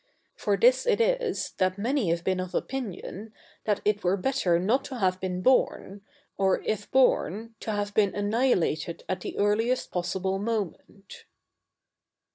For this it is, that many have been of opinion, that it were better not to have been born, or if born, to have been annihilated at the earliest possible moment.